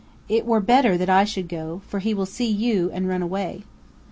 "It were better that I should go, for he will see you and run away."